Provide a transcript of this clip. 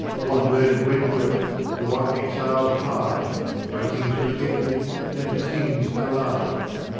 What murder'd Wentworth, and what exil'd Hyde, By Kings protected and to Kings ally'd?